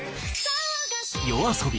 ＹＯＡＳＯＢＩ